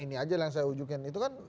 ini aja yang saya ujukin